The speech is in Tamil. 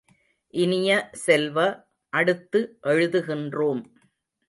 இனிய செல்வ, அடுத்து எழுதுகின்றோம்.